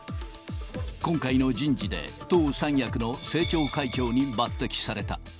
今回の人事で党三役の政調会長に抜てきされた。